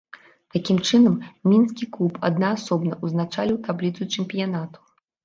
Такім чынам, мінскі клуб аднаасобна ўзначаліў табліцу чэмпіянату.